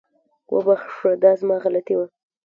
وبخښه، دا زما غلطي وه